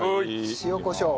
塩コショウ。